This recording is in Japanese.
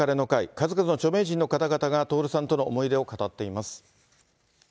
数々の著名人の方々が、徹さんとの思い出を語っています。